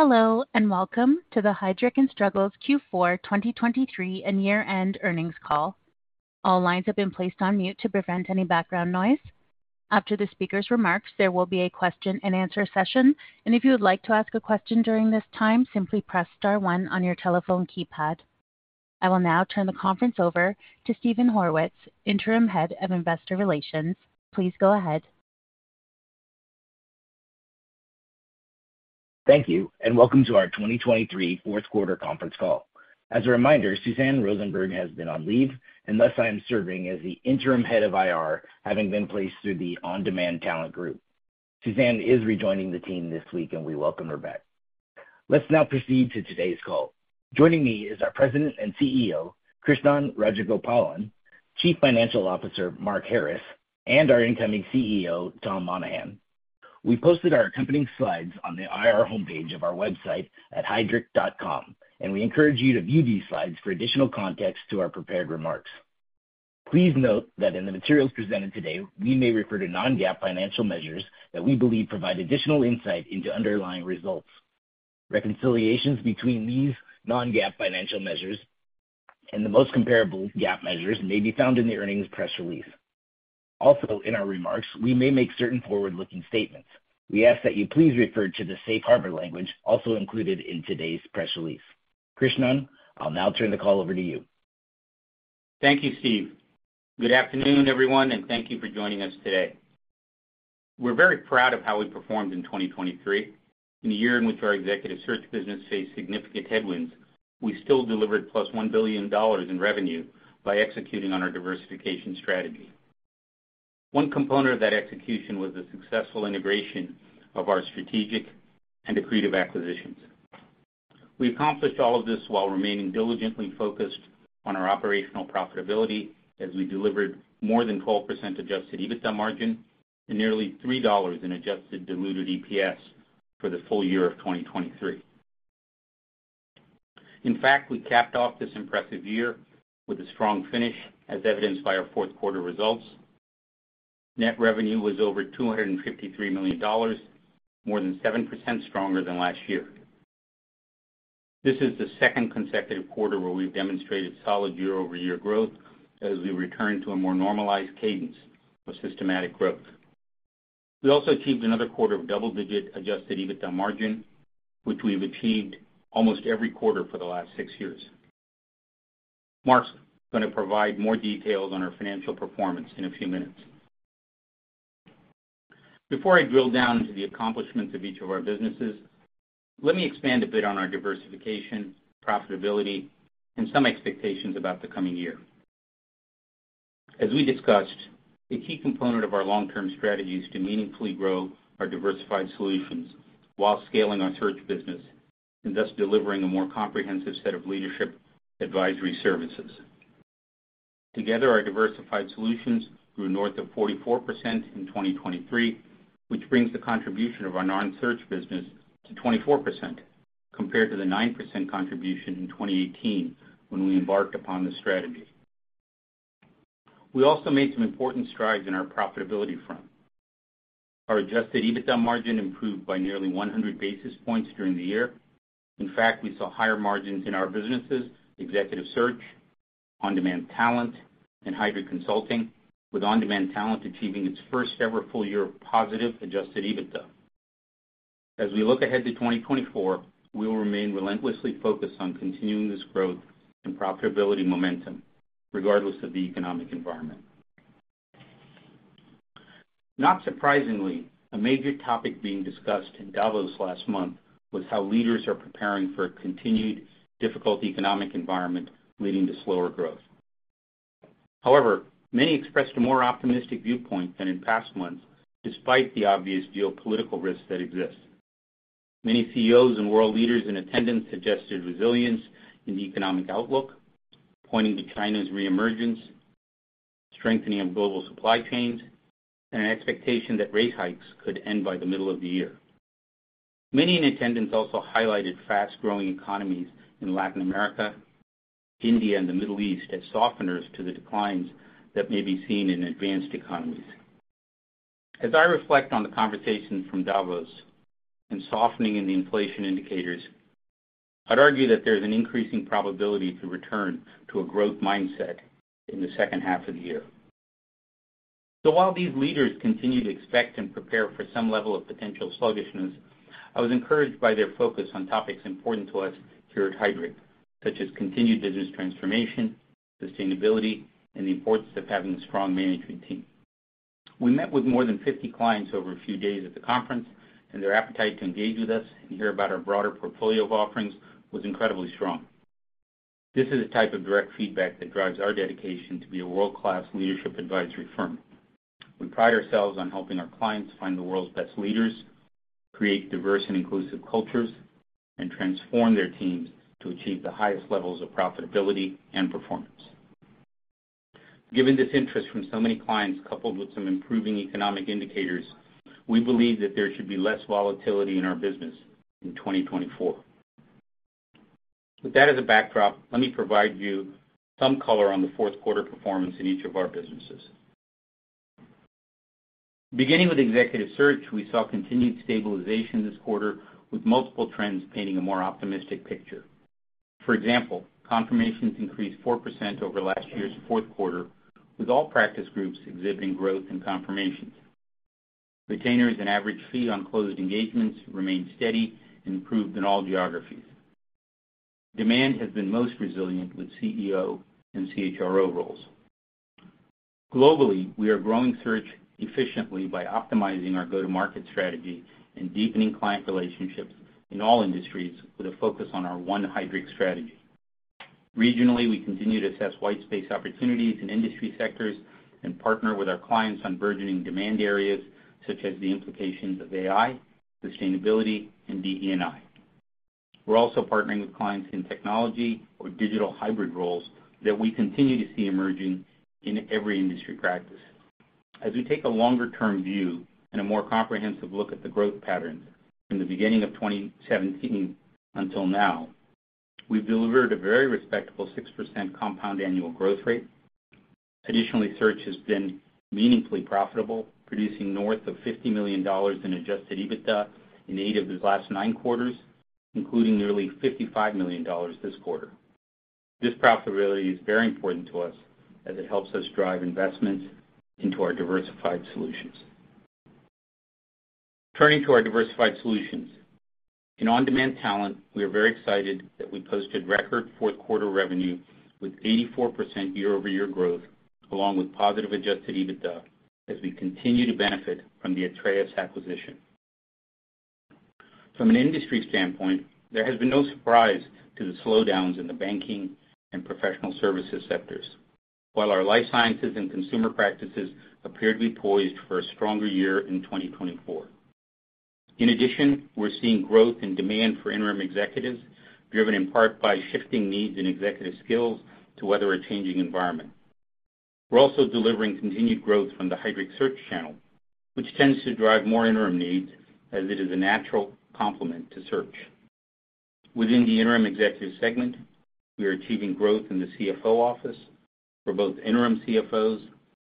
Hello and welcome to the Heidrick & Struggles Q4 2023 and year-end earnings call. All lines have been placed on mute to prevent any background noise. After the speaker's remarks, there will be a question-and-answer session, and if you would like to ask a question during this time, simply press star 1 on your telephone keypad. I will now turn the conference over to Steven Horwitz, Interim Head of Investor Relations. Please go ahead. Thank you, and welcome to our 2023 fourth-quarter conference call. As a reminder, Suzanne Rosenberg has been on leave, and thus I am serving as the interim head of IR, having been placed through the on-demand talent group. Suzanne is rejoining the team this week, and we welcome her back. Let's now proceed to today's call. Joining me is our President and CEO, Krishnan Rajagopalan, Chief Financial Officer, Mark Harris, and our incoming CEO, Tom Monahan. We posted our accompanying slides on the IR homepage of our website at heidrick.com, and we encourage you to view these slides for additional context to our prepared remarks. Please note that in the materials presented today, we may refer to non-GAAP financial measures that we believe provide additional insight into underlying results. Reconciliations between these non-GAAP financial measures and the most comparable GAAP measures may be found in the earnings press release. Also, in our remarks, we may make certain forward-looking statements. We ask that you please refer to the safe harbor language also included in today's press release. Krishnan, I'll now turn the call over to you. Thank you, Steve. Good afternoon, everyone, and thank you for joining us today. We're very proud of how we performed in 2023. In the year in which our executive search business faced significant headwinds, we still delivered plus $1 billion in revenue by executing on our diversification strategy. One component of that execution was the successful integration of our strategic and accretive acquisitions. We accomplished all of this while remaining diligently focused on our operational profitability as we delivered more than 12% Adjusted EBITDA margin and nearly $3 in Adjusted Diluted EPS for the full year of 2023. In fact, we capped off this impressive year with a strong finish, as evidenced by our fourth-quarter results. Net revenue was over $253 million, more than 7% stronger than last year. This is the second consecutive quarter where we've demonstrated solid year-over-year growth as we return to a more normalized cadence of systematic growth. We also achieved another quarter of double-digit Adjusted EBITDA margin, which we've achieved almost every quarter for the last six years. Mark's going to provide more details on our financial performance in a few minutes. Before I drill down into the accomplishments of each of our businesses, let me expand a bit on our diversification, profitability, and some expectations about the coming year. As we discussed, a key component of our long-term strategy is to meaningfully grow our diversified solutions while scaling our search business and thus delivering a more comprehensive set of leadership advisory services. Together, our diversified solutions grew north of 44% in 2023, which brings the contribution of our non-search business to 24% compared to the 9% contribution in 2018 when we embarked upon the strategy. We also made some important strides in our profitability front. Our Adjusted EBITDA margin improved by nearly 100 basis points during the year. In fact, we saw higher margins in our businesses, executive search, On-Demand Talent, and Heidrick Consulting, with On-Demand Talent achieving its first-ever full year of positive Adjusted EBITDA. As we look ahead to 2024, we will remain relentlessly focused on continuing this growth and profitability momentum, regardless of the economic environment. Not surprisingly, a major topic being discussed in Davos last month was how leaders are preparing for a continued difficult economic environment leading to slower growth. However, many expressed a more optimistic viewpoint than in past months, despite the obvious geopolitical risks that exist. Many CEOs and world leaders in attendance suggested resilience in the economic outlook, pointing to China's re-emergence, strengthening of global supply chains, and an expectation that rate hikes could end by the middle of the year. Many in attendance also highlighted fast-growing economies in Latin America, India, and the Middle East as softeners to the declines that may be seen in advanced economies. As I reflect on the conversations from Davos and softening in the inflation indicators, I'd argue that there's an increasing probability to return to a growth mindset in the second half of the year. While these leaders continue to expect and prepare for some level of potential sluggishness, I was encouraged by their focus on topics important to us here at Heidrick, such as continued business transformation, sustainability, and the importance of having a strong management team. We met with more than 50 clients over a few days at the conference, and their appetite to engage with us and hear about our broader portfolio of offerings was incredibly strong. This is the type of direct feedback that drives our dedication to be a world-class leadership advisory firm. We pride ourselves on helping our clients find the world's best leaders, create diverse and inclusive cultures, and transform their teams to achieve the highest levels of profitability and performance. Given this interest from so many clients coupled with some improving economic indicators, we believe that there should be less volatility in our business in 2024. With that as a backdrop, let me provide you some color on the fourth-quarter performance in each of our businesses. Beginning with executive search, we saw continued stabilization this quarter, with multiple trends painting a more optimistic picture. For example, confirmations increased 4% over last year's fourth quarter, with all practice groups exhibiting growth in confirmations. Retainers and average fee on closed engagements remained steady and improved in all geographies. Demand has been most resilient with CEO and CHRO roles. Globally, we are growing search efficiently by optimizing our go-to-market strategy and deepening client relationships in all industries with a focus on our One Heidrick strategy. Regionally, we continue to assess white space opportunities in industry sectors and partner with our clients on burgeoning demand areas such as the implications of AI, sustainability, and DE&I. We're also partnering with clients in technology or digital hybrid roles that we continue to see emerging in every industry practice. As we take a longer-term view and a more comprehensive look at the growth patterns from the beginning of 2017 until now, we've delivered a very respectable 6% compound annual growth rate. Additionally, search has been meaningfully profitable, producing north of $50 million in Adjusted EBITDA in 8 of the last 9 quarters, including nearly $55 million this quarter. This profitability is very important to us as it helps us drive investments into our diversified solutions. Turning to our diversified solutions, in on-demand talent, we are very excited that we posted record fourth-quarter revenue with 84% year-over-year growth, along with positive Adjusted EBITDA, as we continue to benefit from the Atreus acquisition. From an industry standpoint, there has been no surprise to the slowdowns in the banking and professional services sectors, while our life sciences and consumer practices appear to be poised for a stronger year in 2024. In addition, we're seeing growth in demand for interim executives, driven in part by shifting needs and executive skills to weather a changing environment. We're also delivering continued growth from the Heidrick search channel, which tends to drive more interim needs as it is a natural complement to search. Within the interim executive segment, we are achieving growth in the CFO office for both interim CFOs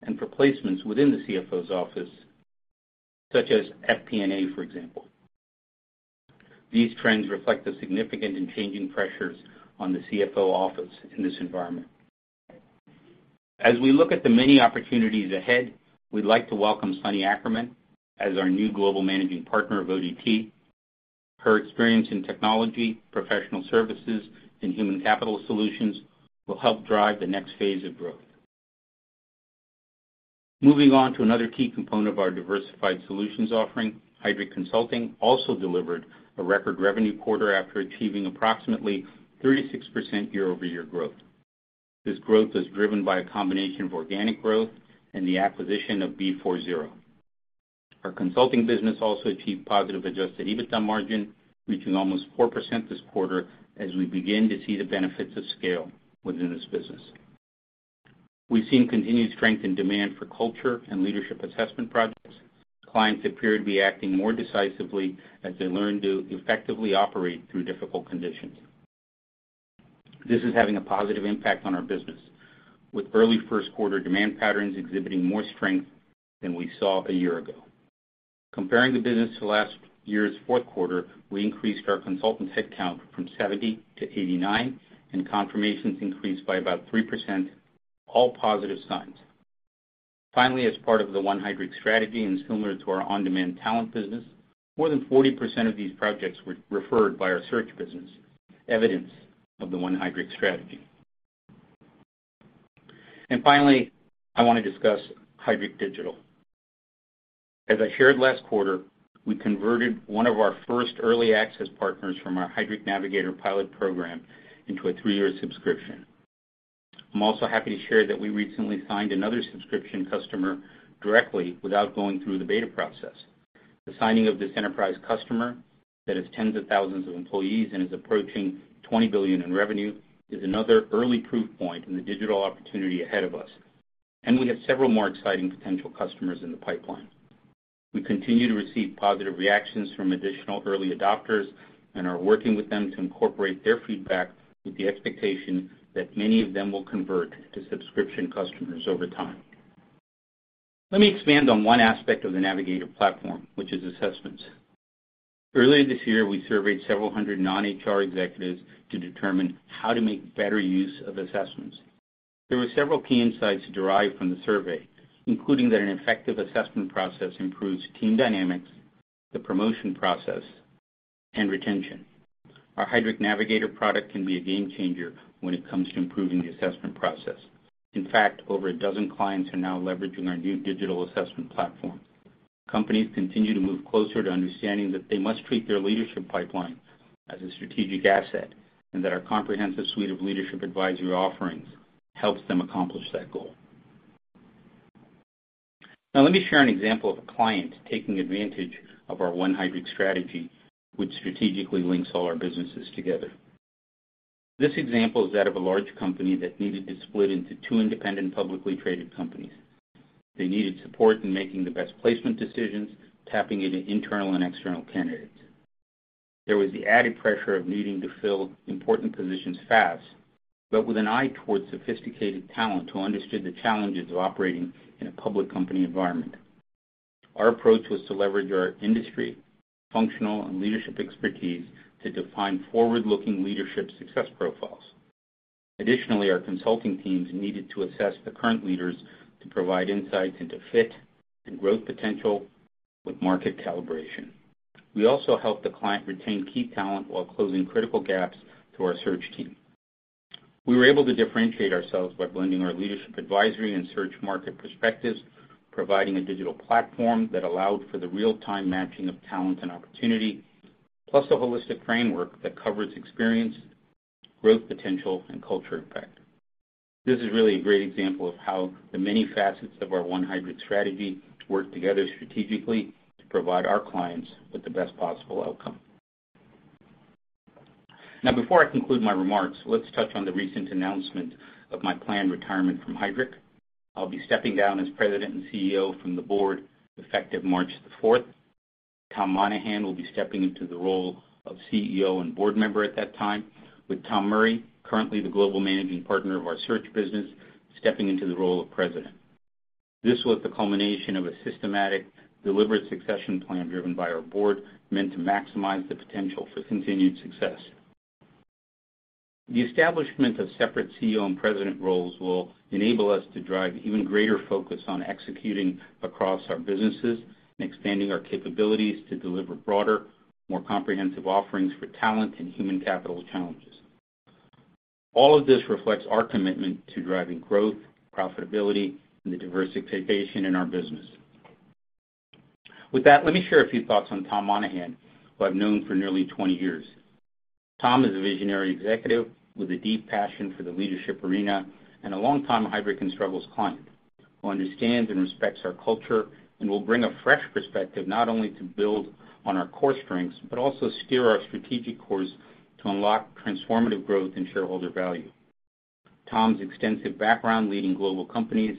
and for placements within the CFO's office, such as FP&A, for example. These trends reflect the significant and changing pressures on the CFO office in this environment. As we look at the many opportunities ahead, we'd like to welcome Sunny Ackerman as our new Global Managing Partner of ODT. Her experience in technology, professional services, and human capital solutions will help drive the next phase of growth. Moving on to another key component of our diversified solutions offering, Heidrick Consulting also delivered a record revenue quarter after achieving approximately 36% year-over-year growth. This growth was driven by a combination of organic growth and the acquisition of B4Z. Our consulting business also achieved positive Adjusted EBITDA margin, reaching almost 4% this quarter as we begin to see the benefits of scale within this business. We've seen continued strength in demand for culture and leadership assessment projects. Clients appear to be acting more decisively as they learn to effectively operate through difficult conditions. This is having a positive impact on our business, with early first-quarter demand patterns exhibiting more strength than we saw a year ago. Comparing the business to last year's fourth quarter, we increased our consultants' headcount from 70-89, and confirmations increased by about 3%, all positive signs. Finally, as part of the one Heidrick strategy and similar to our on-demand talent business, more than 40% of these projects were referred by our search business, evidence of the one Heidrick strategy. And finally, I want to discuss Heidrick Digital. As I shared last quarter, we converted one of our first early access partners from our Heidrick Navigator pilot program into a three-year subscription. I'm also happy to share that we recently signed another subscription customer directly without going through the beta process. The signing of this enterprise customer that has tens of thousands of employees and is approaching $20 billion in revenue is another early proof point in the digital opportunity ahead of us, and we have several more exciting potential customers in the pipeline. We continue to receive positive reactions from additional early adopters and are working with them to incorporate their feedback with the expectation that many of them will convert to subscription customers over time. Let me expand on one aspect of the Navigator platform, which is assessments. Earlier this year, we surveyed several hundred non-HR executives to determine how to make better use of assessments. There were several key insights derived from the survey, including that an effective assessment process improves team dynamics, the promotion process, and retention. Our Heidrick Navigator product can be a game changer when it comes to improving the assessment process. In fact, over a dozen clients are now leveraging our new digital assessment platform. Companies continue to move closer to understanding that they must treat their leadership pipeline as a strategic asset and that our comprehensive suite of leadership advisory offerings helps them accomplish that goal. Now, let me share an example of a client taking advantage of our one Heidrick strategy, which strategically links all our businesses together. This example is that of a large company that needed to split into two independent publicly traded companies. They needed support in making the best placement decisions, tapping into internal and external candidates. There was the added pressure of needing to fill important positions fast, but with an eye towards sophisticated talent who understood the challenges of operating in a public company environment. Our approach was to leverage our industry, functional, and leadership expertise to define forward-looking leadership success profiles. Additionally, our consulting teams needed to assess the current leaders to provide insights into fit and growth potential with market calibration. We also helped the client retain key talent while closing critical gaps to our search team. We were able to differentiate ourselves by blending our leadership advisory and search market perspectives, providing a digital platform that allowed for the real-time matching of talent and opportunity, plus a holistic framework that covers experience, growth potential, and culture impact. This is really a great example of how the many facets of our one Heidrick strategy work together strategically to provide our clients with the best possible outcome. Now, before I conclude my remarks, let's touch on the recent announcement of my planned retirement from Heidrick. I'll be stepping down as President and CEO from the board effective March 4th. Tom Monahan will be stepping into the role of CEO and board member at that time, with Tom Murray, currently the global managing partner of our search business, stepping into the role of president. This was the culmination of a systematic, deliberate succession plan driven by our board meant to maximize the potential for continued success. The establishment of separate CEO and president roles will enable us to drive even greater focus on executing across our businesses and expanding our capabilities to deliver broader, more comprehensive offerings for talent and human capital challenges. All of this reflects our commitment to driving growth, profitability, and the diversification in our business. With that, let me share a few thoughts on Tom Monahan, who I've known for nearly 20 years. Tom is a visionary executive with a deep passion for the leadership arena and a long-time Heidrick & Struggles client who understands and respects our culture and will bring a fresh perspective not only to build on our core strengths but also steer our strategic course to unlock transformative growth and shareholder value. Tom's extensive background leading global companies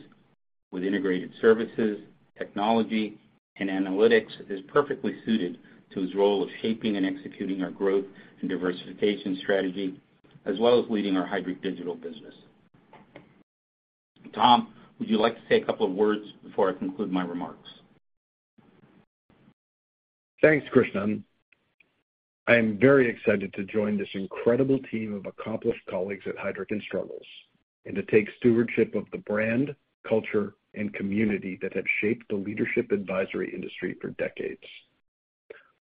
with integrated services, technology, and analytics is perfectly suited to his role of shaping and executing our growth and diversification strategy as well as leading our Heidrick Digital business. Tom, would you like to say a couple of words before I conclude my remarks? Thanks, Krishnan. I am very excited to join this incredible team of accomplished colleagues at Heidrick & Struggles and to take stewardship of the brand, culture, and community that have shaped the leadership advisory industry for decades.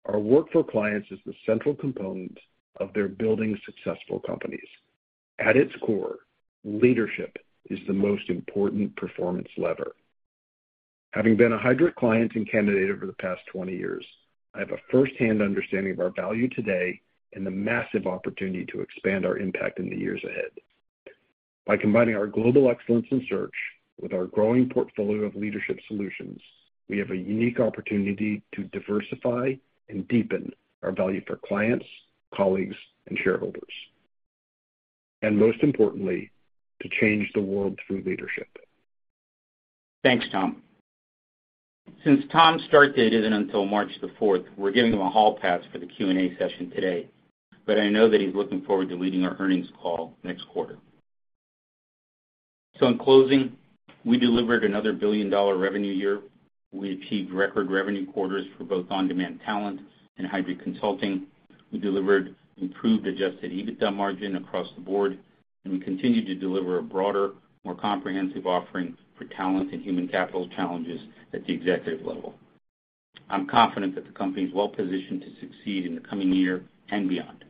Our work for clients is the central component of their building successful companies. At its core, leadership is the most important performance lever. Having been a Heidrick client and candidate over the past 20 years, I have a firsthand understanding of our value today and the massive opportunity to expand our impact in the years ahead. By combining our global excellence in search with our growing portfolio of leadership solutions, we have a unique opportunity to diversify and deepen our value for clients, colleagues, and shareholders, and most importantly, to change the world through leadership. Thanks, Tom. Since Tom started isn't until March 4th, we're giving him a hall pass for the Q&A session today, but I know that he's looking forward to leading our earnings call next quarter. So in closing, we delivered another billion-dollar revenue year. We achieved record revenue quarters for both on-demand talent and Heidrick Consulting. We delivered improved Adjusted EBITDA margin across the board, and we continue to deliver a broader, more comprehensive offering for talent and human capital challenges at the executive level. I'm confident that the company is well positioned to succeed in the coming year and beyond.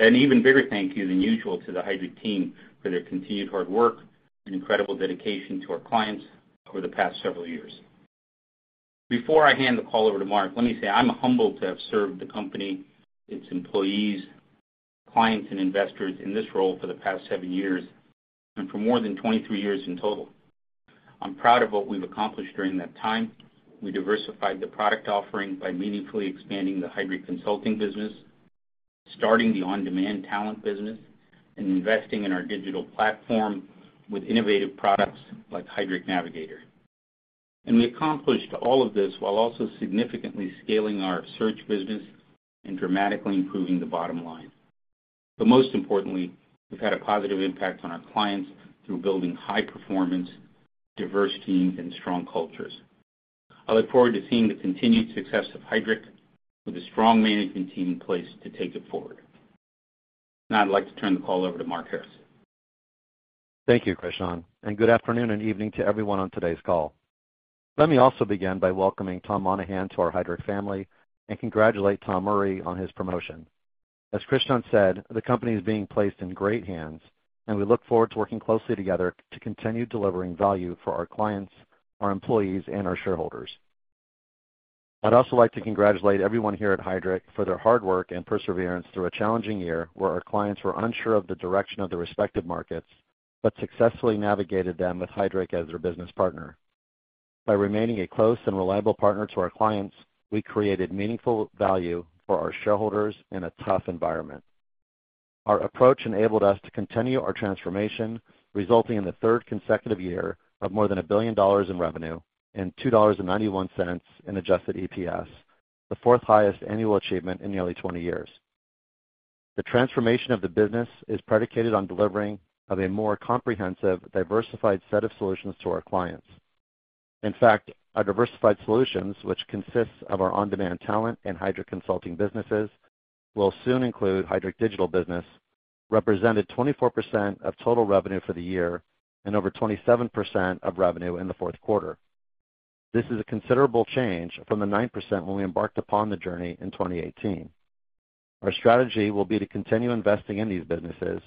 An even bigger thank you than usual to the Heidrick team for their continued hard work and incredible dedication to our clients over the past several years. Before I hand the call over to Mark, let me say I'm humbled to have served the company, its employees, clients, and investors in this role for the past seven years and for more than 23 years in total. I'm proud of what we've accomplished during that time. We diversified the product offering by meaningfully expanding the Heidrick Consulting business, starting the on-demand talent business, and investing in our digital platform with innovative products like Heidrick Navigator. We accomplished all of this while also significantly scaling our search business and dramatically improving the bottom line. Most importantly, we've had a positive impact on our clients through building high-performance, diverse teams, and strong cultures. I look forward to seeing the continued success of Heidrick with a strong management team in place to take it forward. Now, I'd like to turn the call over to Mark Harris. Thank you, Krishnan, and good afternoon and evening to everyone on today's call. Let me also begin by welcoming Tom Monahan to our Heidrick family and congratulate Tom Murray on his promotion. As Krishnan said, the company is being placed in great hands, and we look forward to working closely together to continue delivering value for our clients, our employees, and our shareholders. I'd also like to congratulate everyone here at Heidrick for their hard work and perseverance through a challenging year where our clients were unsure of the direction of their respective markets but successfully navigated them with Heidrick as their business partner. By remaining a close and reliable partner to our clients, we created meaningful value for our shareholders in a tough environment. Our approach enabled us to continue our transformation, resulting in the third consecutive year of more than $1 billion in revenue and $2.91 in adjusted EPS, the fourth highest annual achievement in nearly 20 years. The transformation of the business is predicated on delivering a more comprehensive, diversified set of solutions to our clients. In fact, our diversified solutions, which consist of our on-demand talent and Heidrick Consulting businesses, will soon include Heidrick Digital business, represented 24% of total revenue for the year and over 27% of revenue in the fourth quarter. This is a considerable change from the 9% when we embarked upon the journey in 2018. Our strategy will be to continue investing in these businesses,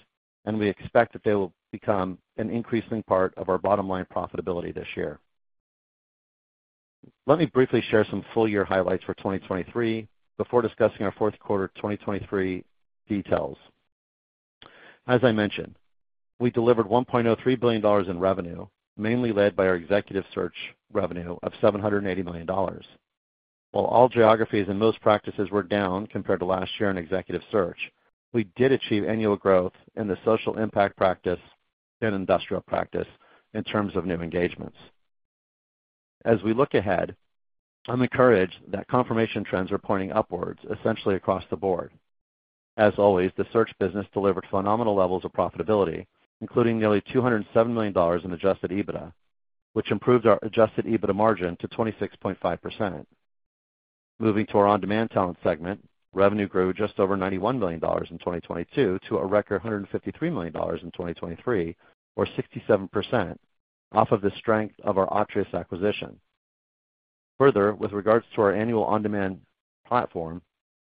and we expect that they will become an increasing part of our bottom line profitability this year. Let me briefly share some full-year highlights for 2023 before discussing our fourth quarter 2023 details. As I mentioned, we delivered $1.03 billion in revenue, mainly led by our executive search revenue of $780 million. While all geographies and most practices were down compared to last year in executive search, we did achieve annual growth in the Social Impact Practice and Industrial Practice in terms of new engagements. As we look ahead, I'm encouraged that confirmation trends are pointing upwards essentially across the board. As always, the search business delivered phenomenal levels of profitability, including nearly $207 million in Adjusted EBITDA, which improved our Adjusted EBITDA margin to 26.5%. Moving to our on-demand talent segment, revenue grew just over $91 million in 2022 to a record $153 million in 2023, or 67%, off of the strength of our Atreus acquisition. Further, with regards to our annual on-demand platform,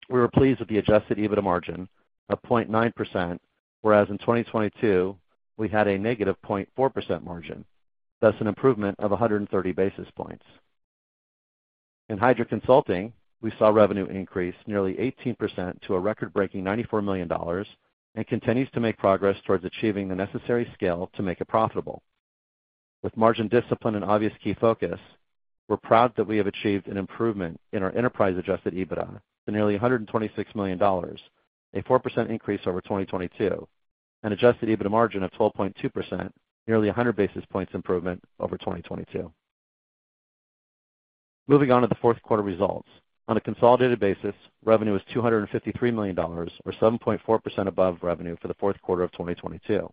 we were pleased with the Adjusted EBITDA margin of 0.9%, whereas in 2022, we had a negative 0.4% margin, thus an improvement of 130 basis points. In Heidrick Consulting, we saw revenue increase nearly 18% to a record-breaking $94 million and continue to make progress towards achieving the necessary scale to make it profitable. With margin discipline and obvious key focus, we're proud that we have achieved an improvement in our enterprise Adjusted EBITDA to nearly $126 million, a 4% increase over 2022, an Adjusted EBITDA margin of 12.2%, nearly 100 basis points improvement over 2022. Moving on to the fourth quarter results. On a consolidated basis, revenue was $253 million, or 7.4% above revenue for the fourth quarter of 2022.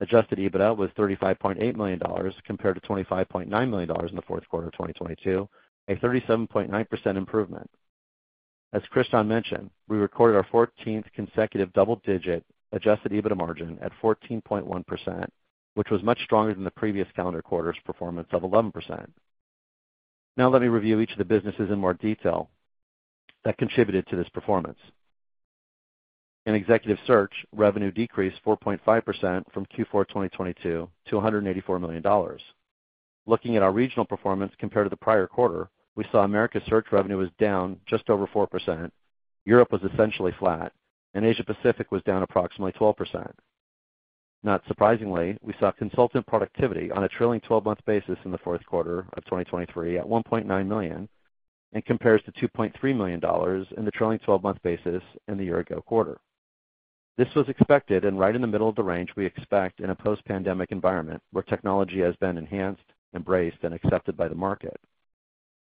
Adjusted EBITDA was $35.8 million compared to $25.9 million in the fourth quarter of 2022, a 37.9% improvement. As Krishnan mentioned, we recorded our 14th consecutive double-digit Adjusted EBITDA margin at 14.1%, which was much stronger than the previous calendar quarter's performance of 11%. Now, let me review each of the businesses in more detail that contributed to this performance. In executive search, revenue decreased 4.5% from Q4 2022 to $184 million. Looking at our regional performance compared to the prior quarter, we saw Americas search revenue was down just over 4%, Europe was essentially flat, and Asia-Pacific was down approximately 12%. Not surprisingly, we saw consultant productivity on a trailing 12-month basis in the fourth quarter of 2023 at $1.9 million and compares to $2.3 million in the trailing 12-month basis in the year-ago quarter. This was expected, and right in the middle of the range we expect in a post-pandemic environment where technology has been enhanced, embraced, and accepted by the market.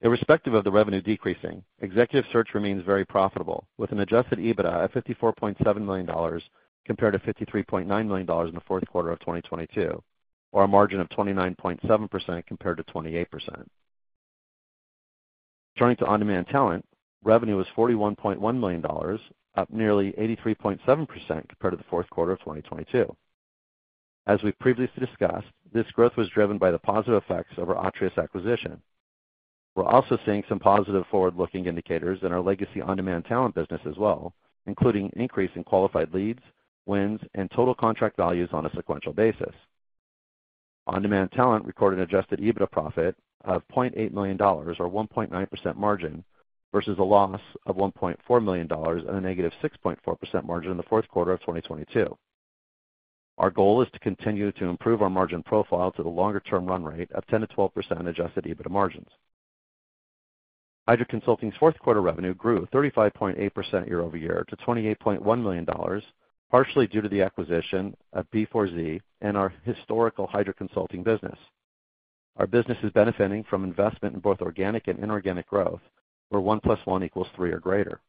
Irrespective of the revenue decreasing, executive search remains very profitable with an Adjusted EBITDA of $54.7 million compared to $53.9 million in the fourth quarter of 2022, or a margin of 29.7% compared to 28%. Turning to on-demand talent, revenue was $41.1 million, up nearly 83.7% compared to the fourth quarter of 2022. As we've previously discussed, this growth was driven by the positive effects of our Atreus acquisition. We're also seeing some positive forward-looking indicators in our legacy on-demand talent business as well, including an increase in qualified leads, wins, and total contract values on a sequential basis. On-demand talent recorded an Adjusted EBITDA profit of $0.8 million, or 1.9% margin, versus a loss of $1.4 million and a negative 6.4% margin in the fourth quarter of 2022. Our goal is to continue to improve our margin profile to the longer-term run rate of 10%-12% Adjusted EBITDA margins. Heidrick Consulting's fourth quarter revenue grew 35.8% year-over-year to $28.1 million, partially due to the acquisition of B4Z and our historical Heidrick Consulting business. Our business is benefiting from investment in both organic and inorganic growth, where 1 plus 1 equals 3 or greater.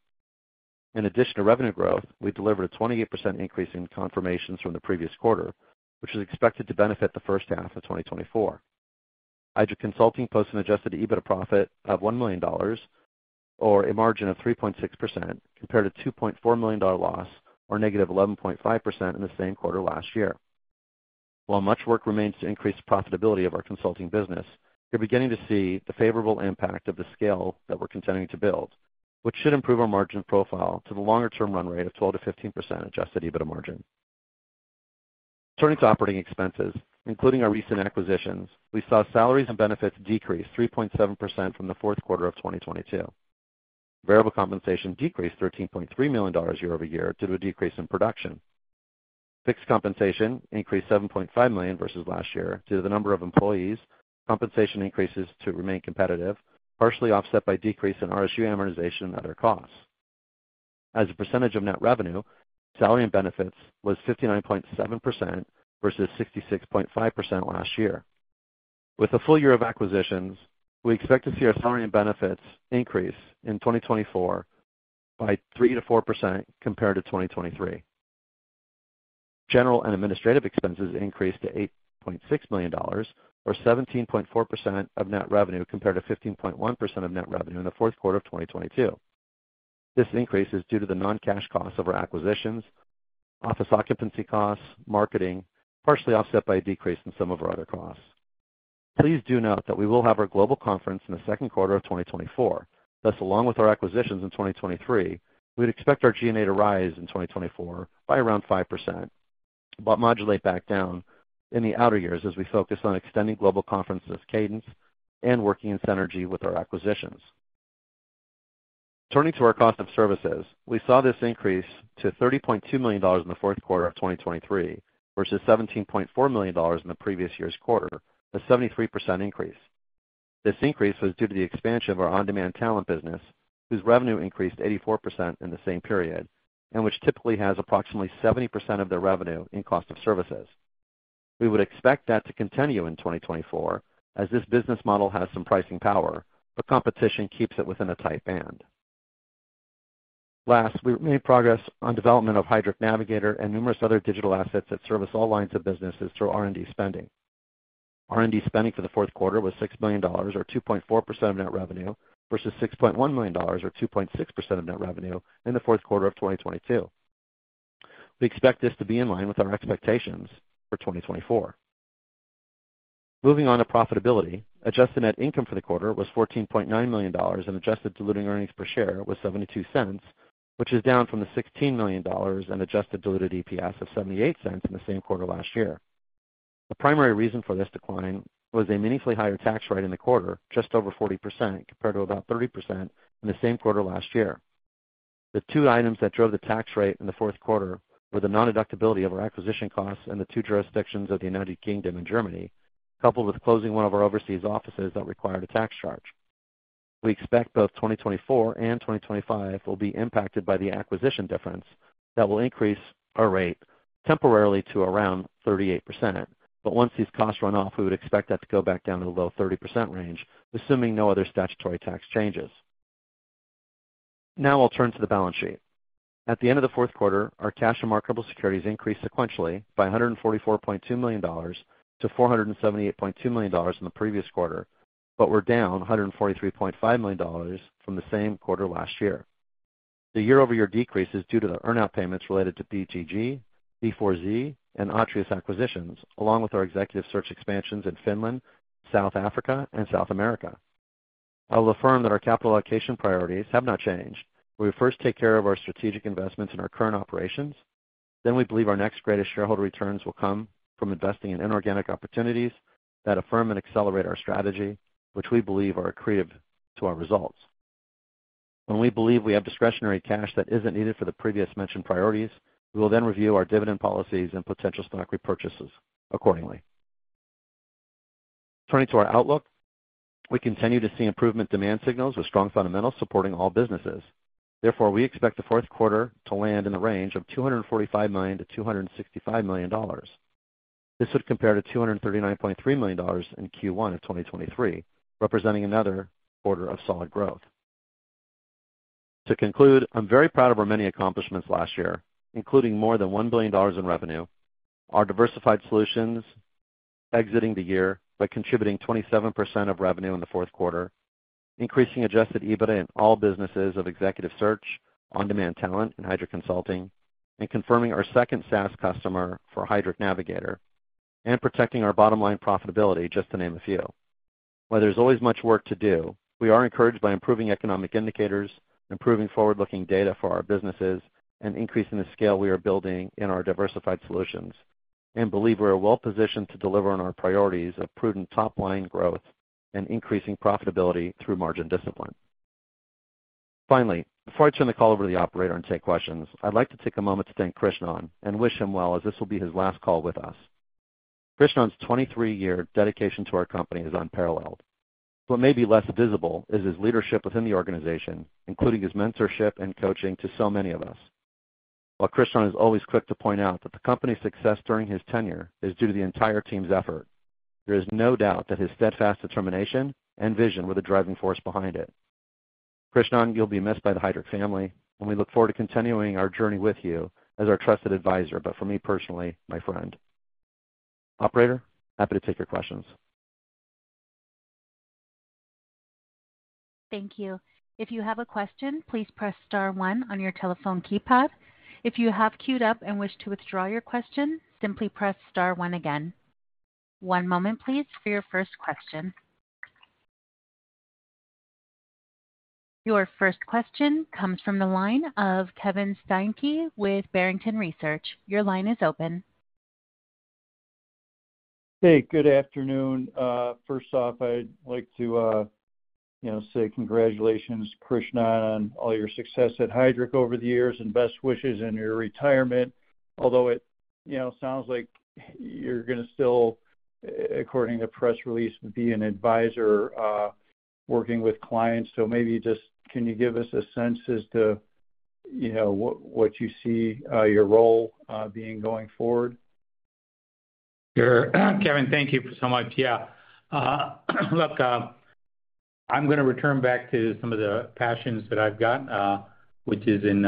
In addition to revenue growth, we delivered a 28% increase in confirmations from the previous quarter, which is expected to benefit the first half of 2024. Heidrick Consulting posted an Adjusted EBITDA profit of $1 million, or a margin of 3.6% compared to a $2.4 million loss, or negative 11.5% in the same quarter last year. While much work remains to increase the profitability of our consulting business, you're beginning to see the favorable impact of the scale that we're contending to build, which should improve our margin profile to the longer-term run rate of 12%-15% Adjusted EBITDA margin. Turning to operating expenses, including our recent acquisitions, we saw salaries and benefits decrease 3.7% from the fourth quarter of 2022. Variable compensation decreased $13.3 million year-over-year due to a decrease in production. Fixed compensation increased $7.5 million versus last year due to the number of employees. Compensation increases to remain competitive, partially offset by a decrease in RSU amortization and other costs. As a percentage of net revenue, salary and benefits was 59.7% versus 66.5% last year. With a full year of acquisitions, we expect to see our salary and benefits increase in 2024 by 3%-4% compared to 2023. General and administrative expenses increased to $8.6 million, or 17.4% of net revenue compared to 15.1% of net revenue in the fourth quarter of 2022. This increase is due to the non-cash costs of our acquisitions, office occupancy costs, marketing, partially offset by a decrease in some of our other costs. Please do note that we will have our global conference in the second quarter of 2024. Thus, along with our acquisitions in 2023, we would expect our G&A to rise in 2024 by around 5% but modulate back down in the outer years as we focus on extending global conferences' cadence and working in synergy with our acquisitions. Turning to our cost of services, we saw this increase to $30.2 million in the fourth quarter of 2023 versus $17.4 million in the previous year's quarter, a 73% increase. This increase was due to the expansion of our on-demand talent business, whose revenue increased 84% in the same period and which typically has approximately 70% of their revenue in cost of services. We would expect that to continue in 2024 as this business model has some pricing power, but competition keeps it within a tight band. Last, we made progress on development of Heidrick Navigator and numerous other digital assets that service all lines of businesses through R&D spending. R&D spending for the fourth quarter was $6 million, or 2.4% of net revenue, versus $6.1 million, or 2.6% of net revenue in the fourth quarter of 2022. We expect this to be in line with our expectations for 2024. Moving on to profitability, adjusted net income for the quarter was $14.9 million, and adjusted diluted earnings per share was $0.72, which is down from the $16 million and adjusted diluted EPS of $0.78 in the same quarter last year. The primary reason for this decline was a meaningfully higher tax rate in the quarter, just over 40% compared to about 30% in the same quarter last year. The two items that drove the tax rate in the fourth quarter were the non-deductibility of our acquisition costs in the two jurisdictions of the United Kingdom and Germany, coupled with closing one of our overseas offices that required a tax charge. We expect both 2024 and 2025 will be impacted by the acquisition difference that will increase our rate temporarily to around 38%. But once these costs run off, we would expect that to go back down to the low 30% range, assuming no other statutory tax changes. Now, I'll turn to the balance sheet. At the end of the fourth quarter, our cash and marketable securities increased sequentially by 144.2-$478.2 million in the previous quarter, but were down $143.5 million from the same quarter last year. The year-over-year decrease is due to the earnout payments related to BTG, B4Z, and Atreus acquisitions, along with our executive search expansions in Finland, South Africa, and South America. I will affirm that our capital allocation priorities have not changed. We will first take care of our strategic investments in our current operations. Then, we believe our next greatest shareholder returns will come from investing in inorganic opportunities that affirm and accelerate our strategy, which we believe are accretive to our results. When we believe we have discretionary cash that isn't needed for the previously mentioned priorities, we will then review our dividend policies and potential stock repurchases accordingly. Turning to our outlook, we continue to see improving demand signals with strong fundamentals supporting all businesses. Therefore, we expect the fourth quarter to land in the range of 245 million-$265 million. This would compare to $239.3 million in Q1 of 2023, representing another quarter of solid growth. To conclude, I'm very proud of our many accomplishments last year, including more than $1 billion in revenue, our diversified solutions exiting the year by contributing 27% of revenue in the fourth quarter, increasing Adjusted EBITDA in all businesses of executive search, on-demand talent in Heidrick Consulting, and confirming our second SaaS customer for Heidrick Navigator, and protecting our bottom line profitability, just to name a few. While there's always much work to do, we are encouraged by improving economic indicators, improving forward-looking data for our businesses, and increasing the scale we are building in our diversified solutions, and believe we are well positioned to deliver on our priorities of prudent top-line growth and increasing profitability through margin discipline. Finally, before I turn the call over to the operator and take questions, I'd like to take a moment to thank Krishnan and wish him well, as this will be his last call with us. Krishnan's 23-year dedication to our company is unparalleled. What may be less visible is his leadership within the organization, including his mentorship and coaching to so many of us. While Krishnan is always quick to point out that the company's success during his tenure is due to the entire team's effort, there is no doubt that his steadfast determination and vision were the driving force behind it. Krishnan, you'll be missed by the Heidrick family, and we look forward to continuing our journey with you as our trusted advisor, but for me personally, my friend. Operator, happy to take your questions. Thank you. If you have a question, please press star 1 on your telephone keypad. If you have queued up and wish to withdraw your question, simply press star 1 again. One moment, please, for your first question. Your first question comes from the line of Kevin Steinke with Barrington Research. Your line is open. Hey, good afternoon. First off, I'd like to say congratulations, Krishnan, on all your success at Heidrick over the years and best wishes in your retirement, although it sounds like you're going to still, according to the press release, be an advisor working with clients. So maybe just can you give us a sense as to what you see your role being going forward? Sure. Kevin, thank you so much. Yeah. Look, I'm going to return back to some of the passions that I've got, which is in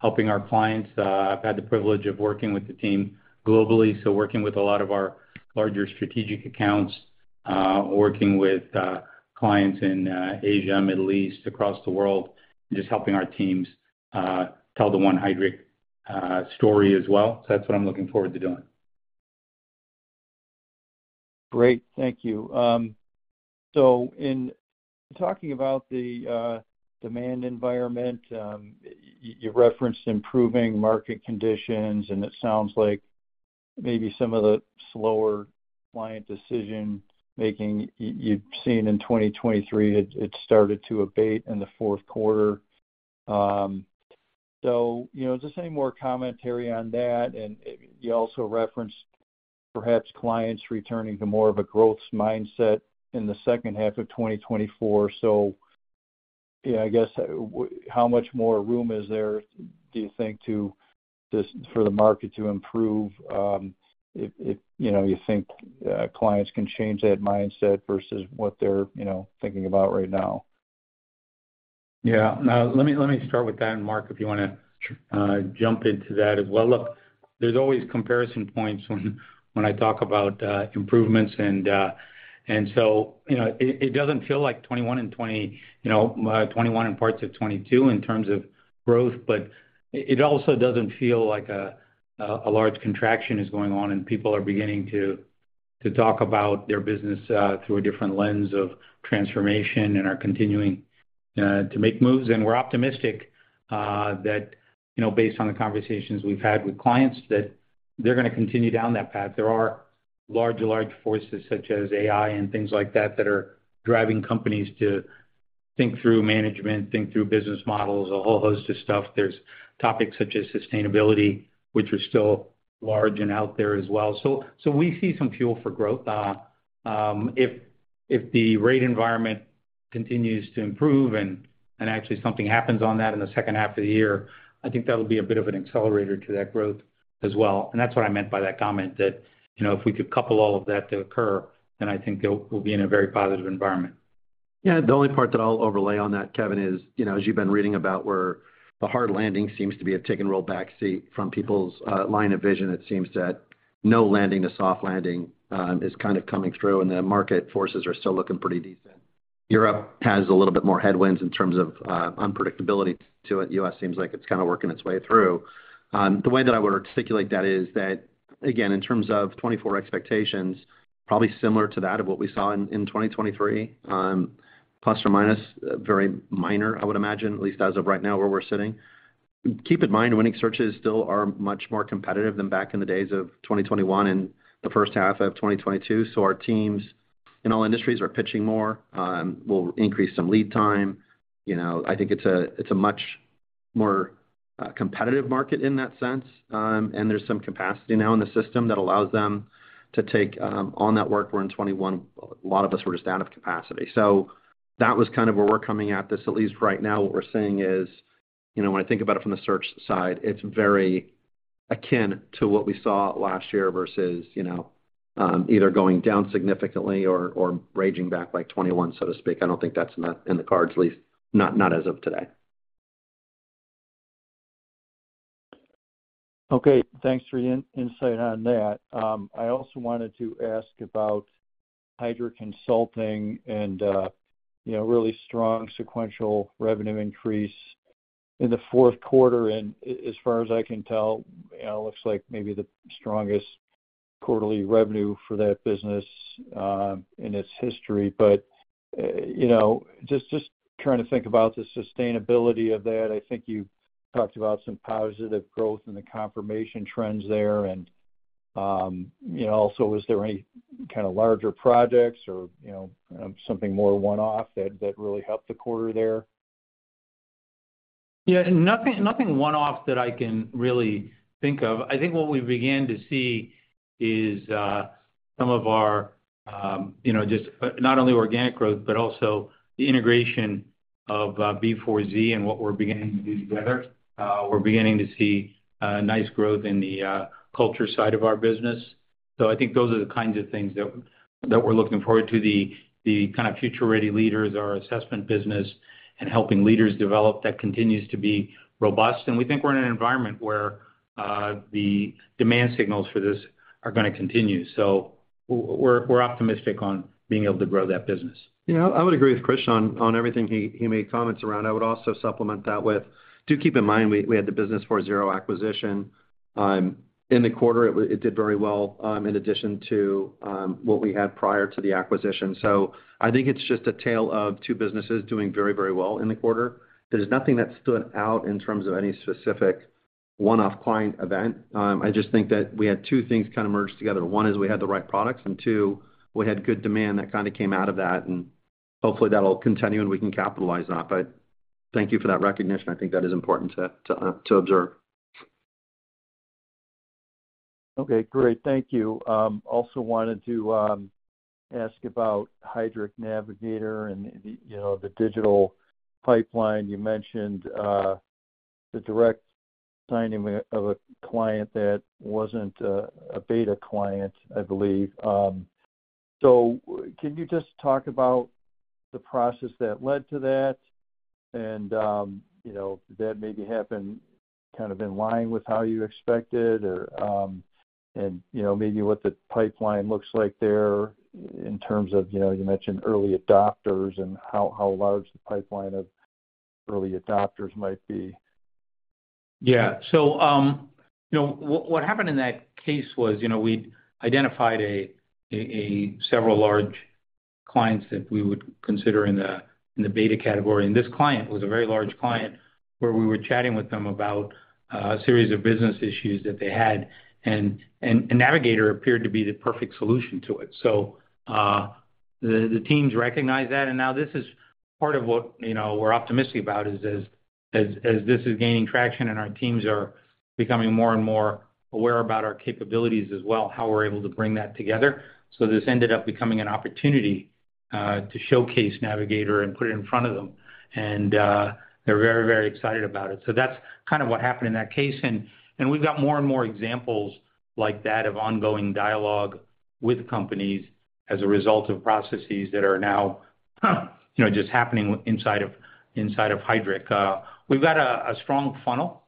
helping our clients. I've had the privilege of working with the team globally, so working with a lot of our larger strategic accounts, working with clients in Asia, Middle East, across the world, and just helping our teams tell the One Heidrick story as well. So that's what I'm looking forward to doing. Great. Thank you. So in talking about the demand environment, you referenced improving market conditions, and it sounds like maybe some of the slower client decision-making you'd seen in 2023, it started to abate in the fourth quarter. So just any more commentary on that? And you also referenced perhaps clients returning to more of a growth mindset in the second half of 2024. So yeah, I guess how much more room is there, do you think, for the market to improve if you think clients can change that mindset versus what they're thinking about right now? Yeah. Now, let me start with that, and Marc, if you want to jump into that as well. Look, there's always comparison points when I talk about improvements. And so it doesn't feel like 2021 and 2020, 2021 and parts of 2022 in terms of growth, but it also doesn't feel like a large contraction is going on, and people are beginning to talk about their business through a different lens of transformation and are continuing to make moves. And we're optimistic that, based on the conversations we've had with clients, that they're going to continue down that path. There are large, large forces such as AI and things like that that are driving companies to think through management, think through business models, a whole host of stuff. There's topics such as sustainability, which are still large and out there as well. So we see some fuel for growth. If the rate environment continues to improve and actually something happens on that in the second half of the year, I think that'll be a bit of an accelerator to that growth as well. And that's what I meant by that comment, that if we could couple all of that to occur, then I think we'll be in a very positive environment. Yeah. The only part that I'll overlay on that, Kevin, is as you've been reading about where the hard landing seems to be taking a backseat from people's line of vision, it seems that no landing to soft landing is kind of coming through, and the market forces are still looking pretty decent. Europe has a little bit more headwinds in terms of unpredictability to it. U.S. seems like it's kind of working its way through. The way that I would articulate that is that, again, in terms of 2024 expectations, probably similar to that of what we saw in 2023, plus or minus, very minor, I would imagine, at least as of right now where we're sitting. Keep in mind winning searches still are much more competitive than back in the days of 2021 and the first half of 2022. So our teams in all industries are pitching more. We'll increase some lead time. I think it's a much more competitive market in that sense. And there's some capacity now in the system that allows them to take on that work where in 2021, a lot of us were just out of capacity. So that was kind of where we're coming at this. At least right now, what we're seeing is when I think about it from the search side, it's very akin to what we saw last year versus either going down significantly or raging back like 2021, so to speak. I don't think that's in the cards, at least not as of today. Okay. Thanks for the insight on that. I also wanted to ask about Heidrick Consulting and really strong sequential revenue increase in the fourth quarter. As far as I can tell, it looks like maybe the strongest quarterly revenue for that business in its history. Just trying to think about the sustainability of that, I think you talked about some positive growth and the confirmation trends there. Also, was there any kind of larger projects or something more one-off that really helped the quarter there? Yeah. Nothing one-off that I can really think of. I think what we began to see is some of our just not only organic growth, but also the integration of B4Z and what we're beginning to do together. We're beginning to see nice growth in the culture side of our business. So I think those are the kinds of things that we're looking forward to. The kind of future-ready leaders, our assessment business, and helping leaders develop, that continues to be robust. And we think we're in an environment where the demand signals for this are going to continue. So we're optimistic on being able to grow that business. Yeah. I would agree with Krishnan on everything he made comments around. I would also supplement that with, do keep in mind we had the Business 4.0 acquisition. In the quarter, it did very well in addition to what we had prior to the acquisition. So I think it's just a tale of two businesses doing very, very well in the quarter. There's nothing that stood out in terms of any specific one-off client event. I just think that we had two things kind of merged together. One is we had the right products, and two, we had good demand that kind of came out of that. And hopefully, that'll continue, and we can capitalize on that. But thank you for that recognition. I think that is important to observe. Okay. Great. Thank you. Also wanted to ask about Heidrick Navigator and the digital pipeline. You mentioned the direct signing of a client that wasn't a beta client, I believe. So can you just talk about the process that led to that? And did that maybe happen kind of in line with how you expected? And maybe what the pipeline looks like there in terms of you mentioned early adopters and how large the pipeline of early adopters might be. Yeah. So what happened in that case was we'd identified several large clients that we would consider in the beta category. And this client was a very large client where we were chatting with them about a series of business issues that they had. And Navigator appeared to be the perfect solution to it. So the teams recognized that. And now this is part of what we're optimistic about is as this is gaining traction and our teams are becoming more and more aware about our capabilities as well, how we're able to bring that together. So this ended up becoming an opportunity to showcase Navigator and put it in front of them. And they're very, very excited about it. So that's kind of what happened in that case. We've got more and more examples like that of ongoing dialogue with companies as a result of processes that are now just happening inside of Heidrick. We've got a strong funnel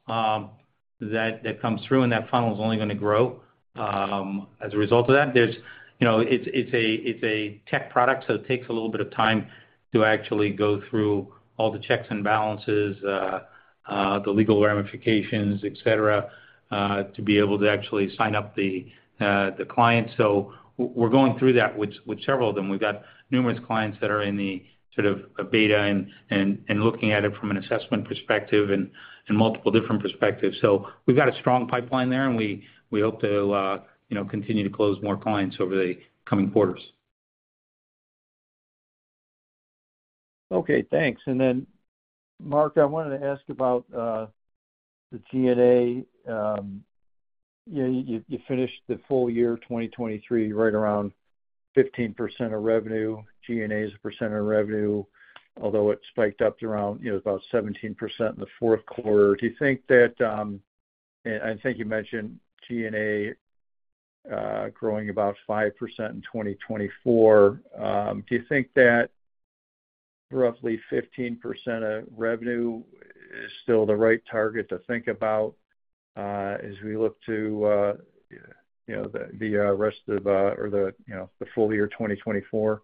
that comes through, and that funnel is only going to grow as a result of that. It's a tech product, so it takes a little bit of time to actually go through all the checks and balances, the legal ramifications, etc., to be able to actually sign up the client. So we're going through that with several of them. We've got numerous clients that are in the sort of beta and looking at it from an assessment perspective and multiple different perspectives. So we've got a strong pipeline there, and we hope to continue to close more clients over the coming quarters. Okay. Thanks. And then, Mark, I wanted to ask about the G&A. You finished the full year 2023 right around 15% of revenue. G&A is a percent of revenue, although it spiked up to around about 17% in the fourth quarter. Do you think that and I think you mentioned G&A growing about 5% in 2024. Do you think that roughly 15% of revenue is still the right target to think about as we look to the rest of or the full year 2024?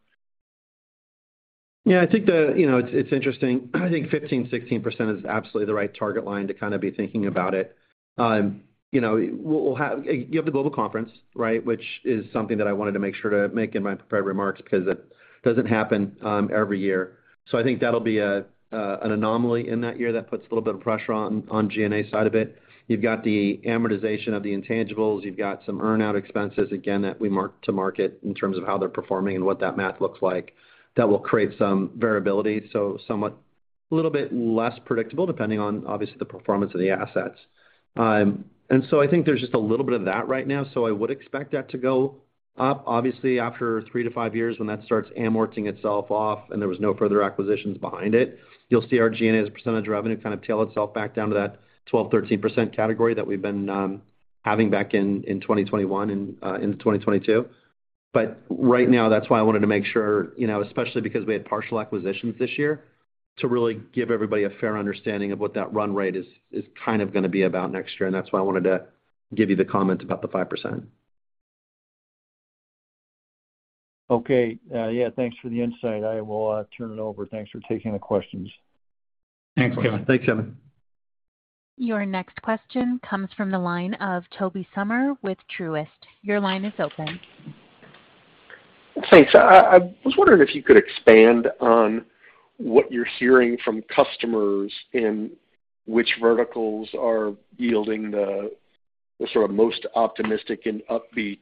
Yeah. I think it's interesting. I think 15%-16% is absolutely the right target line to kind of be thinking about it. You have the global conference, right, which is something that I wanted to make sure to make in my prepared remarks because it doesn't happen every year. So I think that'll be an anomaly in that year that puts a little bit of pressure on G&A side of it. You've got the amortization of the intangibles. You've got some earn-out expenses, again, that we mark to market in terms of how they're performing and what that math looks like. That will create some variability, so somewhat a little bit less predictable depending on, obviously, the performance of the assets. And so I think there's just a little bit of that right now. So I would expect that to go up. Obviously, after 3-5 years, when that starts amorting itself off and there was no further acquisitions behind it, you'll see our G&A as a percentage of revenue kind of tail itself back down to that 12%-13% category that we've been having back in 2021 and into 2022. But right now, that's why I wanted to make sure, especially because we had partial acquisitions this year, to really give everybody a fair understanding of what that run rate is kind of going to be about next year. And that's why I wanted to give you the comment about the 5%. Okay. Yeah. Thanks for the insight. I will turn it over. Thanks for taking the questions. Thanks, Kevin. Thanks, Kevin. Your next question comes from the line of Tobey Summer with Truist. Your line is open. Thanks. I was wondering if you could expand on what you're hearing from customers and which verticals are yielding the sort of most optimistic and upbeat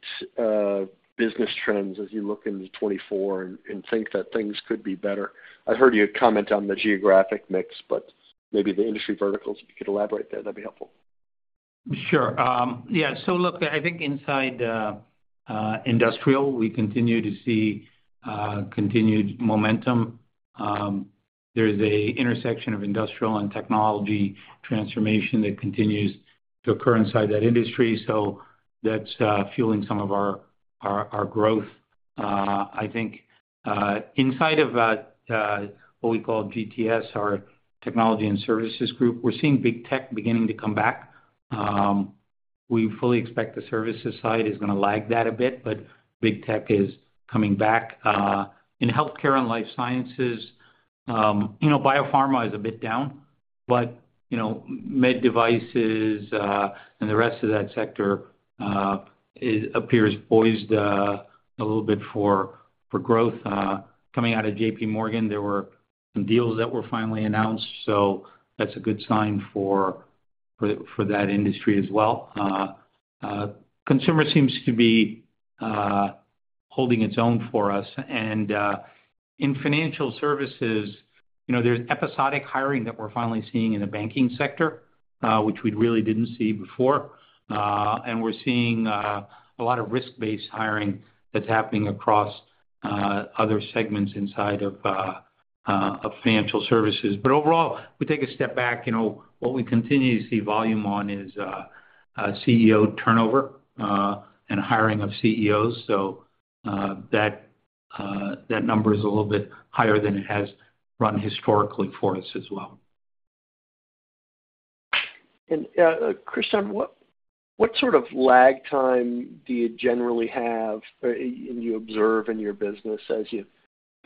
business trends as you look into 2024 and think that things could be better. I've heard you comment on the geographic mix, but maybe the industry verticals, if you could elaborate there, that'd be helpful. Sure. Yeah. So look, I think inside industrial, we continue to see continued momentum. There is an intersection of industrial and technology transformation that continues to occur inside that industry. So that's fueling some of our growth, I think. Inside of what we call GTS, our technology and services group, we're seeing big tech beginning to come back. We fully expect the services side is going to lag that a bit, but big tech is coming back. In healthcare and life sciences, biopharma is a bit down, but med devices and the rest of that sector appears poised a little bit for growth. Coming out of JPMorgan, there were some deals that were finally announced. So that's a good sign for that industry as well. Consumer seems to be holding its own for us. In financial services, there's episodic hiring that we're finally seeing in the banking sector, which we really didn't see before. We're seeing a lot of risk-based hiring that's happening across other segments inside of financial services. But overall, if we take a step back, what we continue to see volume on is CEO turnover and hiring of CEOs. That number is a little bit higher than it has run historically for us as well. Krishnan, what sort of lag time do you generally have and you observe in your business as you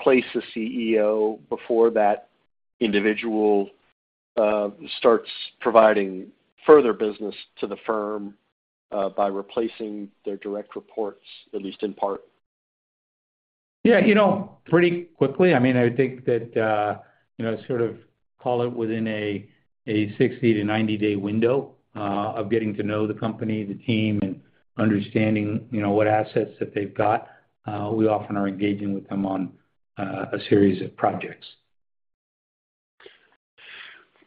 place a CEO before that individual starts providing further business to the firm by replacing their direct reports, at least in part? Yeah. Pretty quickly. I mean, I would think that sort of call it within a 60-90-day window of getting to know the company, the team, and understanding what assets that they've got. We often are engaging with them on a series of projects.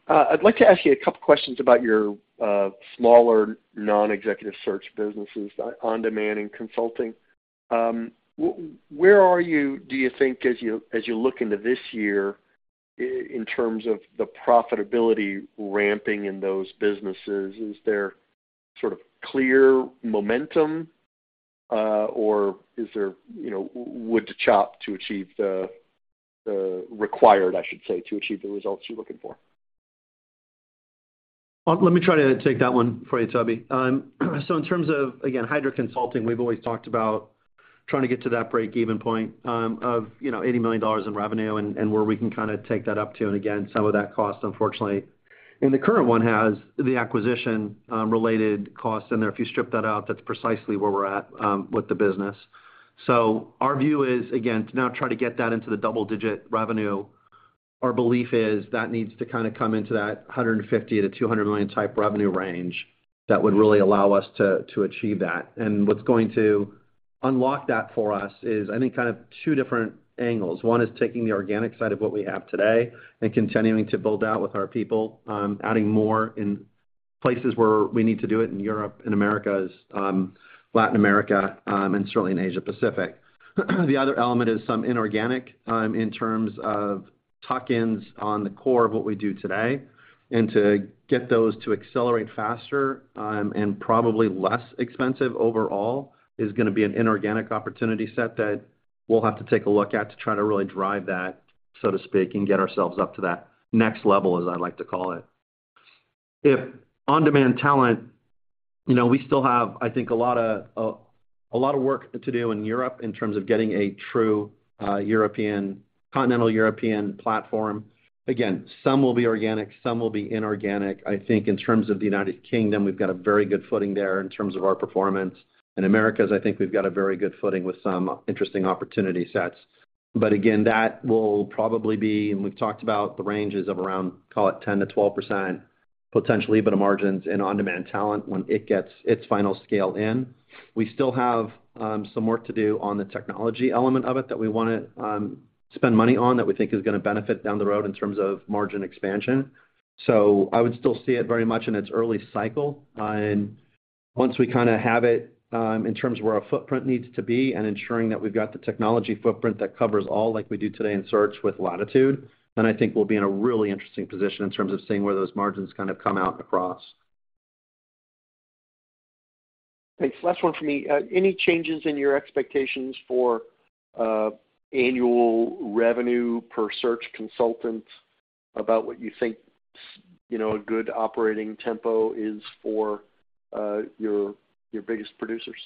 I'd like to ask you a couple of questions about your smaller non-executive search businesses, on-demand and consulting. Where do you think, as you look into this year, in terms of the profitability ramping in those businesses? Is there sort of clear momentum, or would it be choppy to achieve the required, I should say, to achieve the results you're looking for? Let me try to take that one for you, Toby. So in terms of, again, Heidrick Consulting, we've always talked about trying to get to that break-even point of $80 million in revenue and where we can kind of take that up to. And again, some of that cost, unfortunately, in the current one has the acquisition-related costs. And then if you strip that out, that's precisely where we're at with the business. So our view is, again, to now try to get that into the double-digit revenue. Our belief is that needs to kind of come into that $150 million-$200 million type revenue range that would really allow us to achieve that. And what's going to unlock that for us is, I think, kind of two different angles. One is taking the organic side of what we have today and continuing to build out with our people, adding more in places where we need to do it in Europe, in America, Latin America, and certainly in Asia-Pacific. The other element is some inorganic in terms of tuck-ins on the core of what we do today. And to get those to accelerate faster and probably less expensive overall is going to be an inorganic opportunity set that we'll have to take a look at to try to really drive that, so to speak, and get ourselves up to that next level, as I like to call it. If on-demand talent, we still have, I think, a lot of work to do in Europe in terms of getting a true continental European platform. Again, some will be organic. Some will be inorganic. I think in terms of the United Kingdom, we've got a very good footing there in terms of our performance. In America, I think we've got a very good footing with some interesting opportunity sets. But again, that will probably be and we've talked about the ranges of around, call it, 10%-12% potentially, but the margins in on-demand talent when it gets its final scale in. We still have some work to do on the technology element of it that we want to spend money on that we think is going to benefit down the road in terms of margin expansion. So I would still see it very much in its early cycle. Once we kind of have it in terms of where our footprint needs to be and ensuring that we've got the technology footprint that covers all like we do today in search with latitude, then I think we'll be in a really interesting position in terms of seeing where those margins kind of come out across. Thanks. Last one from me. Any changes in your expectations for annual revenue per search consultant about what you think a good operating tempo is for your biggest producers?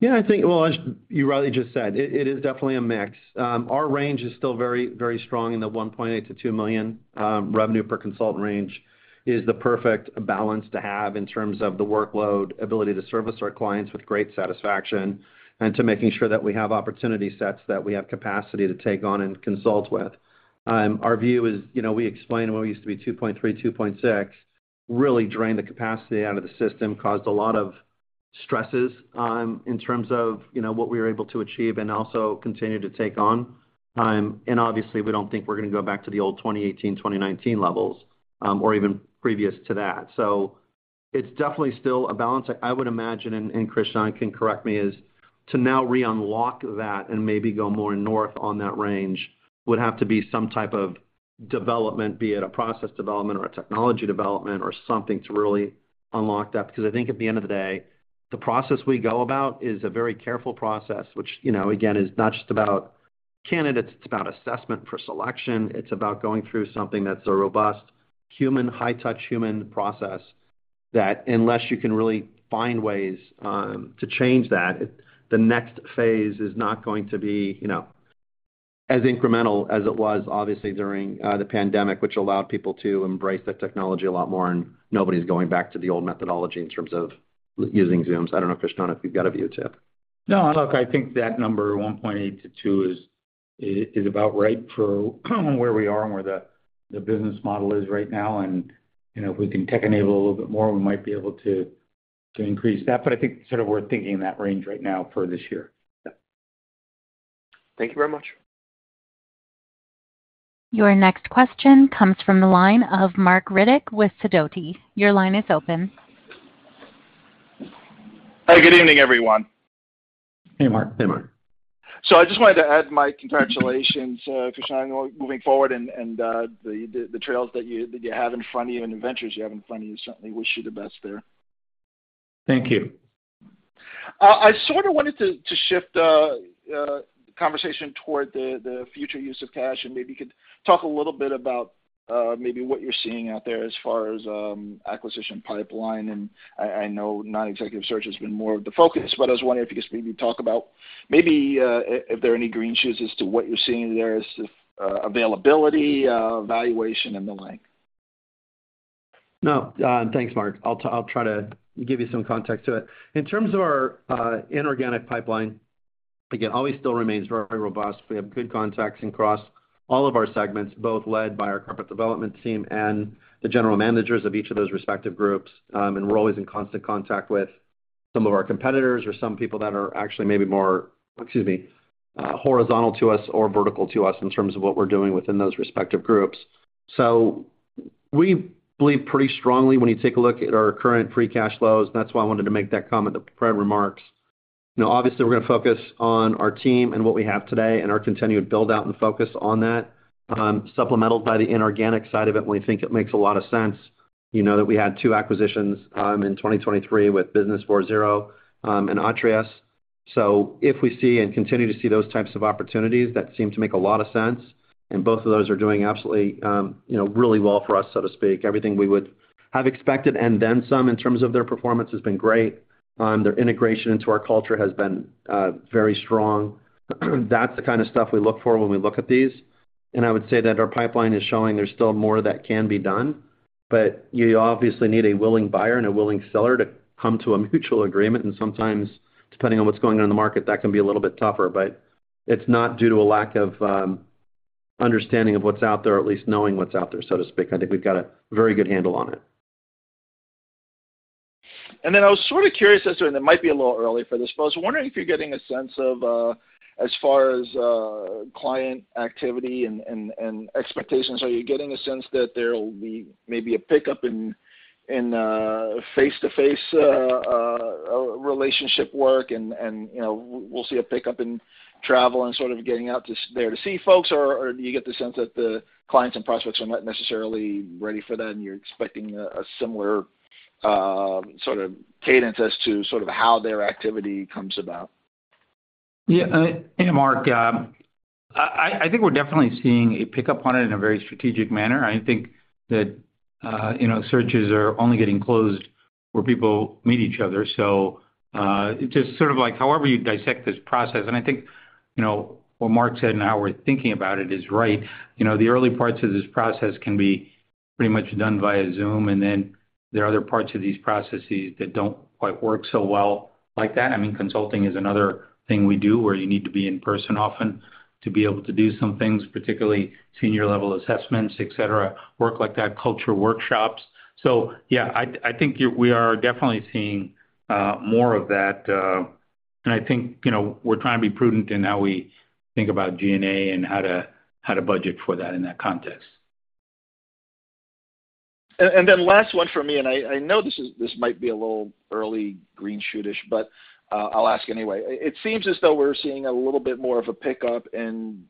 Yeah. Well, as you rightly just said, it is definitely a mix. Our range is still very, very strong in the $1.8 million-$2 million revenue per consultant range is the perfect balance to have in terms of the workload, ability to service our clients with great satisfaction, and to making sure that we have opportunity sets that we have capacity to take on and consult with. Our view is we explained when we used to be $2.3, $2.6, really drained the capacity out of the system, caused a lot of stresses in terms of what we were able to achieve and also continue to take on. Obviously, we don't think we're going to go back to the old 2018, 2019 levels or even previous to that. So it's definitely still a balance, I would imagine, and Krishnan can correct me, is to now re-unlock that and maybe go more north on that range would have to be some type of development, be it a process development or a technology development or something to really unlock that. Because I think at the end of the day, the process we go about is a very careful process, which, again, is not just about candidates. It's about assessment for selection. It's about going through something that's a robust human, high-touch human process that unless you can really find ways to change that, the next phase is not going to be as incremental as it was, obviously, during the pandemic, which allowed people to embrace that technology a lot more. And nobody's going back to the old methodology in terms of using Zooms. I don't know, Krishnan, if you've got a view too. No, look, I think that number, 1.8-2, is about right for where we are and where the business model is right now. If we can tech-enable a little bit more, we might be able to increase that. I think sort of we're thinking that range right now for this year. Thank you very much. Your next question comes from the line of Mark Riddick with Sidoti. Your line is open. Hi. Good evening, everyone. Hey, Mark. Hey, Mark. So I just wanted to add my congratulations, Krishnan, moving forward and the trials that you have in front of you and adventures you have in front of you. Certainly, wish you the best there. Thank you. I sort of wanted to shift the conversation toward the future use of cash and maybe you could talk a little bit about maybe what you're seeing out there as far as acquisition pipeline. I know non-executive search has been more of the focus, but I was wondering if you could maybe talk about maybe if there are any green shoots as to what you're seeing there as to availability, valuation, and the like. No, thanks, Mark. I'll try to give you some context to it. In terms of our inorganic pipeline, again, always still remains very robust. We have good contacts across all of our segments, both led by our corporate development team and the general managers of each of those respective groups. And we're always in constant contact with some of our competitors or some people that are actually maybe more, excuse me, horizontal to us or vertical to us in terms of what we're doing within those respective groups. So we believe pretty strongly when you take a look at our current free cash flows, and that's why I wanted to make that comment, the prepared remarks. Obviously, we're going to focus on our team and what we have today and our continued buildout and focus on that, supplemental by the inorganic side of it when we think it makes a lot of sense that we had 2 acquisitions in 2023 with Business 4.0 and Atreus. So if we see and continue to see those types of opportunities that seem to make a lot of sense, and both of those are doing absolutely really well for us, so to speak, everything we would have expected and then some in terms of their performance has been great. Their integration into our culture has been very strong. That's the kind of stuff we look for when we look at these. And I would say that our pipeline is showing there's still more that can be done. But you obviously need a willing buyer and a willing seller to come to a mutual agreement. And sometimes, depending on what's going on in the market, that can be a little bit tougher. But it's not due to a lack of understanding of what's out there, or at least knowing what's out there, so to speak. I think we've got a very good handle on it. I was sort of curious as to, and it might be a little early for this, but I was wondering if you're getting a sense of as far as client activity and expectations, are you getting a sense that there'll be maybe a pickup in face-to-face relationship work and we'll see a pickup in travel and sort of getting out there to see folks, or do you get the sense that the clients and prospects are not necessarily ready for that and you're expecting a similar sort of cadence as to sort of how their activity comes about? Yeah. Hey, Mark. I think we're definitely seeing a pickup on it in a very strategic manner. I think that searches are only getting closed where people meet each other. So it's just sort of like however you dissect this process. I think what Mark said and how we're thinking about it is right. The early parts of this process can be pretty much done via Zoom. Then there are other parts of these processes that don't quite work so well like that. I mean, consulting is another thing we do where you need to be in person often to be able to do some things, particularly senior-level assessments, etc., work like that, culture workshops. So yeah, I think we are definitely seeing more of that. I think we're trying to be prudent in how we think about G&A and how to budget for that in that context. Then last one for me, and I know this might be a little early green shoot-ish, but I'll ask anyway. It seems as though we're seeing a little bit more of a pickup in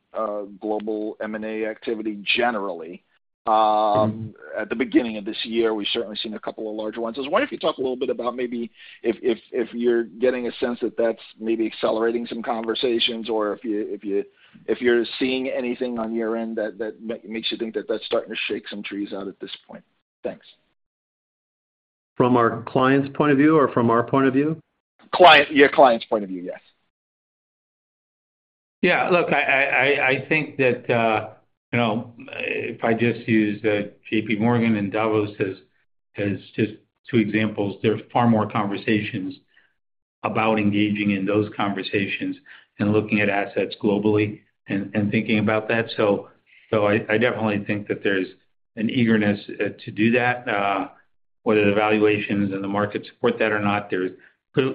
global M&A activity generally. At the beginning of this year, we've certainly seen a couple of larger ones. I was wondering if you could talk a little bit about maybe if you're getting a sense that that's maybe accelerating some conversations or if you're seeing anything on your end that makes you think that that's starting to shake some trees out at this point? Thanks. From our client's point of view or from our point of view? Yeah, client's point of view, yes. Yeah. Look, I think that if I just use J.P. Morgan and Davos as just two examples, there's far more conversations about engaging in those conversations and looking at assets globally and thinking about that. So I definitely think that there's an eagerness to do that. Whether the valuations and the market support that or not,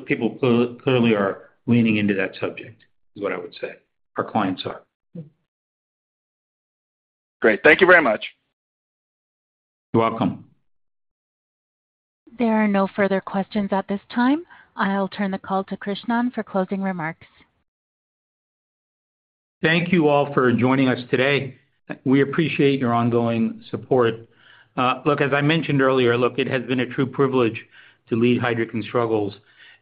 people clearly are leaning into that subject is what I would say. Our clients are. Great. Thank you very much. You're welcome. There are no further questions at this time. I'll turn the call to Krishnan for closing remarks. Thank you all for joining us today. We appreciate your ongoing support. Look, as I mentioned earlier, look, it has been a true privilege to lead Heidrick & Struggles.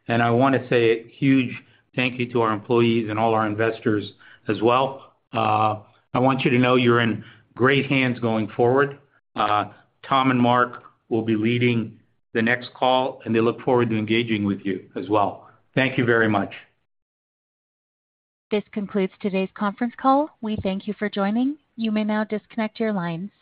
I want to say a huge thank you to our employees and all our investors as well. I want you to know you're in great hands going forward. Tom and Mark will be leading the next call, and they look forward to engaging with you as well. Thank you very much. This concludes today's conference call. We thank you for joining. You may now disconnect your lines.